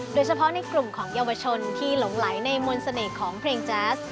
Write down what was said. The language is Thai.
โดยเฉพาะในกลุ่มของเยาวชนที่หลงไหลในมนต์เสน่ห์ของเพลงแจ๊ส